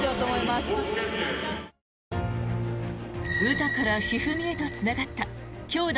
詩から一二三へとつながった兄妹